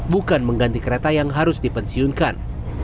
bukan mengganti kereta yang harus dipensiunkan